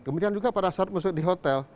kemudian juga pada saat masuk di hotel